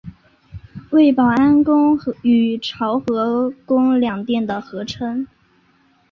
为保安宫与潮和宫两庙的合称。